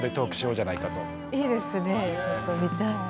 いいですねちょっと見たい。